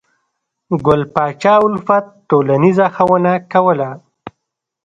ګل پاچا الفت ټولنیزه ښوونه کوله.